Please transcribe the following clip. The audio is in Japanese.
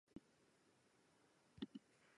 どうすればいいんだろう